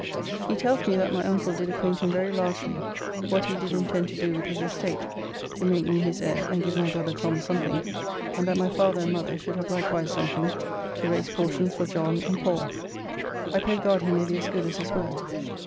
He tells me that my uncle did acquaint him very largely what he did intend to do with his estate, to make me his heir and give my brother Tom something, and that my father and mother should have likewise something, to raise portions for John and Pall. I pray God he may be as good as his word.